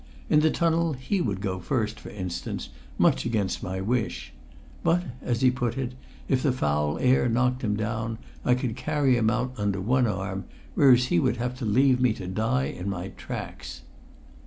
In the tunnel he would go first, for instance, much against my wish; but, as he put it, if the foul air knocked him down I could carry him out under one arm, whereas he would have to leave me to die in my tracks.